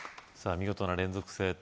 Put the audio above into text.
見事な連続正答